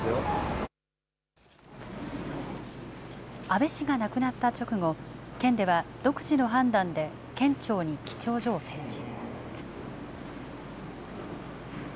安倍氏が亡くなった直後、県では独自の判断で県庁に記帳所を設置。